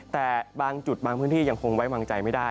แต่บางจุดบางพื้นที่ยังคงไว้วางใจไม่ได้